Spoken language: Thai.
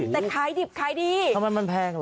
แต่ขายดิบขายดีเพราะมันแพงหรอ